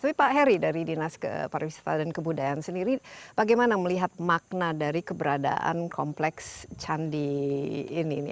tapi pak heri dari dinas pariwisata dan kebudayaan sendiri bagaimana melihat makna dari keberadaan kompleks candi ini